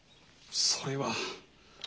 それは。